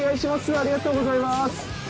ありがとうございます。